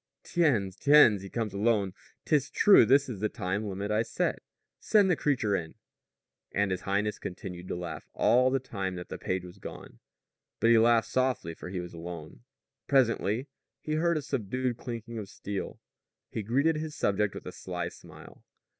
"Tiens! Tiens! He comes alone! 'Tis true, this is the time limit I set. Send the creature in." And his highness continued to laugh all the time that the page was gone. But he laughed softly, for he was alone. Presently he heard a subdued clinking of steel. He greeted his subject with a sly smile.